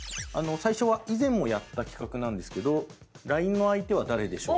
最初は以前もやった企画なんですけど「ＬＩＮＥの相手は誰でしょう？」。